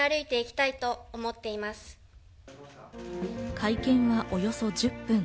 会見はおよそ１０分。